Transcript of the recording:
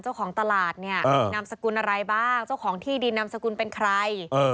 เจ้าของตลาดเนี่ยนามสกุลอะไรบ้างเจ้าของที่ดินนามสกุลเป็นใคร